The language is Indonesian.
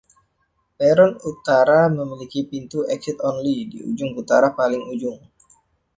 Peron utara memiliki pintu exit-only di ujung utara paling ujung.